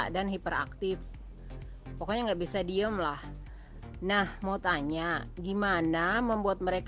dear kangen mega putri